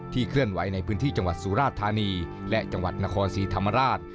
เคลื่อนไหวในพื้นที่จังหวัดสุราธานีและจังหวัดนครศรีธรรมราช